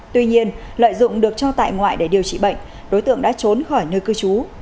tuy nhiên lợi dụng được cho tại ngoại để điều trị bệnh đối tượng đã trốn khỏi nơi cư trú